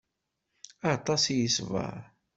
Aṭas i yeṣber.